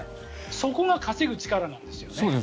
そこが稼ぐ力なんですよね。